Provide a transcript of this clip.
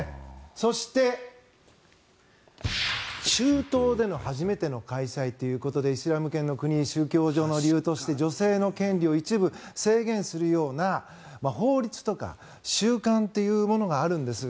そして、中東での初めての開催ということでイスラム圏の国宗教上の理由として女性の権利を一部制限するような法律とか習慣というものがあるんです。